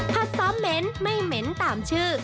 ซ้อมเหม็นไม่เหม็นตามชื่อ